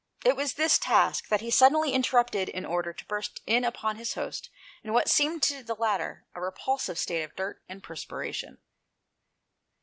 It was this task that he suddenly interrupted in order to burst in upon his host in what seemed to the latter a repulsive state of dirt and perspiration.